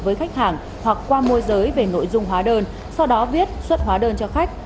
với khách hàng hoặc qua môi giới về nội dung hóa đơn sau đó viết xuất hóa đơn cho khách